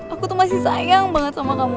aku tuh masih sayang banget sama kamu